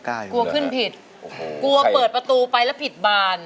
กลัวขึ้นผิดปีดปายและพิดบาน